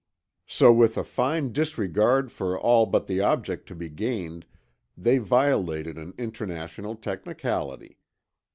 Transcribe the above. So with a fine disregard for all but the object to be gained, they violated an international technicality.